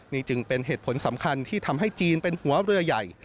นี่จึงเป็นเหตุผลสำคัญที่ทำให้จีนเป็นหัวเรือใหญ่